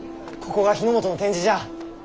ここが日の本の展示じゃ。